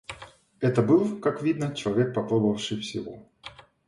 Это был, как видно, человек попробовавший всего.